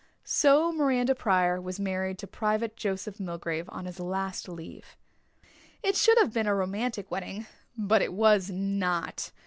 So Miranda Pryor was married to Private Joseph Milgrave on his last leave. It should have been a romantic wedding but it was not.